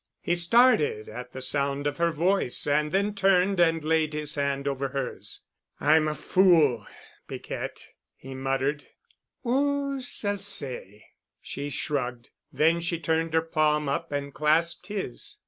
He started at the sound of her voice and then turned and laid his hand over hers. "I'm a fool, Piquette," he muttered. "Who s'all say?" She shrugged. Then she turned her palm up and clasped his.